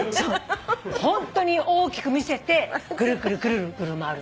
ホントに大きく見せてぐるぐるぐるぐる回る。